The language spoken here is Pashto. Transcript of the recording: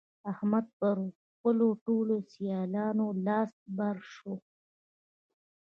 احمد پر خپلو ټولو سيالانو لاس بر شو.